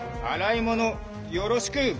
あらいものよろしく！